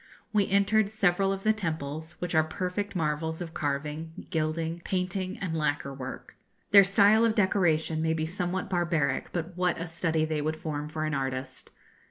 We entered several of the temples, which are perfect marvels of carving, gilding, painting, and lacquer work. Their style of decoration may be somewhat barbaric; but what a study they would form for an artist!